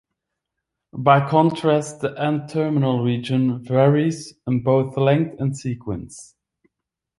By contrast, the N-terminal region varies in both length and sequence.